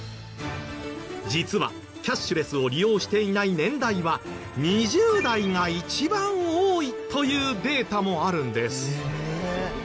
実はキャッシュレスを利用していない年代は２０代が一番多いというデータもあるんです。